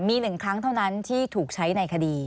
มี๑ครั้งเท่านั้นที่ถูกใช้ในคดี